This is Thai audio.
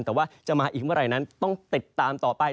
แต่ว่าจะมาอีกเมื่อไหร่นั้นต้องติดตามต่อไป